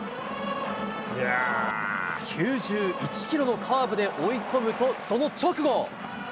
９１キロのカーブで追い込むと、その直後。